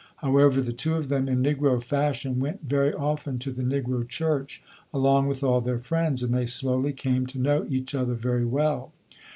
However, the two of them in negro fashion went very often to the negro church, along with all their friends, and they slowly came to know each other very well.